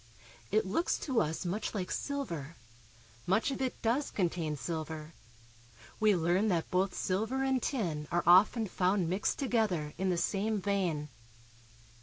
It looks to us much like silver. Much of it does contain silver. We learn that both silver and tin are often found mixed to gether in the same vein.